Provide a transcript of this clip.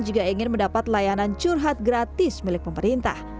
jika ingin mendapat layanan curhat gratis milik pemerintah